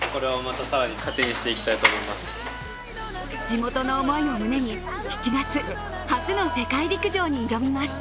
地元の思いを胸に７月、初の世界陸上に挑みます。